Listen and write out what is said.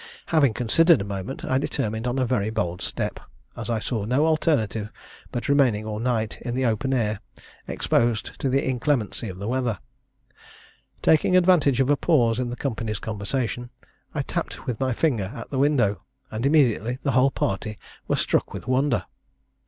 Having considered a moment, I determined on a very bold step, as I saw no alternative but remaining all night in the open air, exposed to the inclemency of the weather. Taking advantage of a pause in the company's conversation, I tapped with my finger at the window, and immediately the whole party were struck with wonder.